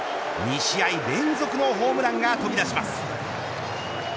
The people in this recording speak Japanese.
２試合連続のホームランが飛び出します。